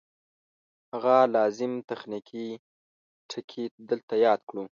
هغه لازم تخنیکي ټکي دلته یاد کړو